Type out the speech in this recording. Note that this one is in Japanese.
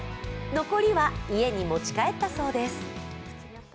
残りは家に持ち帰ったそうです。